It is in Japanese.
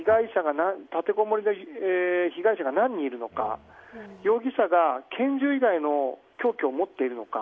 立てこもりで被害者が何人いるのか容疑者が拳銃以外の凶器を持っているのか。